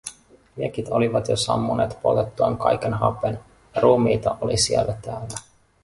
Liekit olivat jo sammuneet poltettuaan kaiken hapen, ja ruumiita oli siellä täällä.